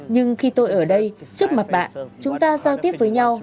nhưng khi tôi ở đây trước mặt bạn chúng ta giao tiếp với nhau